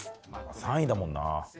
３位だもんな。